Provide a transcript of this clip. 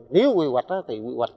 nếu quy hoạch thì quy hoạch